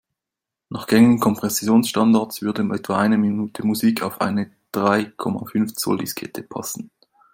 Nach gängigen Kompressionsstandards würde etwa eine Minute Musik auf eine drei Komma fünf Zoll-Diskette passen.